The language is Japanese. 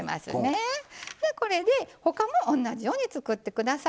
これで他も同じように作って下さい。